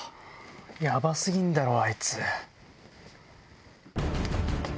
ヤバ過ぎんだろあいつ。